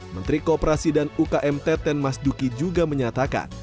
menteri kooperasi dan ukm teten mas duki juga menyatakan